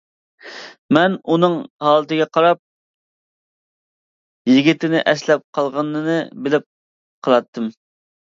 مەن ئۇنىڭ ھالىتىگە قاراپ يىگىتىنى ئەسلەپ قالغىنىنى بىلىپ قالاتتىم.